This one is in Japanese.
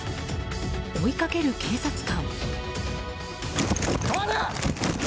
追いかける警察官。